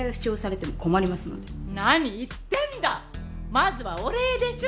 まずはお礼でしょ？